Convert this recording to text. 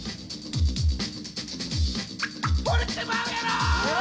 惚れてまうやろ